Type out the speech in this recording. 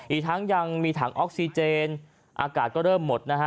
อีกทั้งยังมีถังออกซิเจนอากาศก็เริ่มหมดนะฮะ